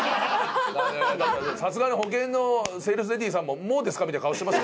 さすがに保険のセールスレディーさんも「もうですか？」みたいな顔してましたから。